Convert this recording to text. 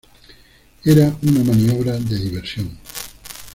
Era una maniobra de diversión.